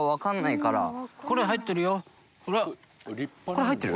これ入ってる？